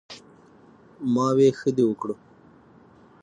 " ـ ما وې " ښۀ دې وکړۀ " ـ